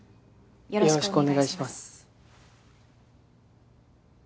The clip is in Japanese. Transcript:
よろしくお願いします。